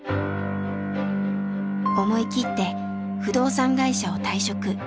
思い切って不動産会社を退職。